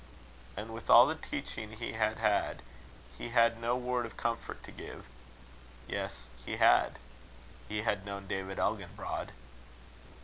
And with all the teaching he had had, he had no word of comfort to give. Yes, he had: he had known David Elginbrod.